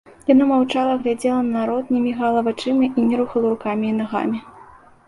Яна маўчала, глядзела на народ, не мігала вачыма і не рухала рукамі і нагамі.